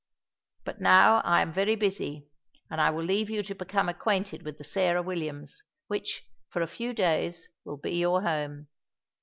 But now I am very busy, and I will leave you to become acquainted with the Sarah Williams, which, for a few days, will be your home.